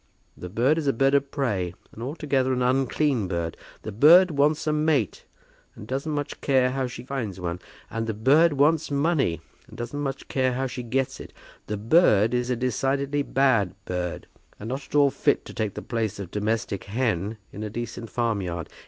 The bird is a bird of prey, and altogether an unclean bird. The bird wants a mate and doesn't much care how she finds one. And the bird wants money, and doesn't much care how she gets it. The bird is a decidedly bad bird, and not at all fit to take the place of domestic hen in a decent farmyard.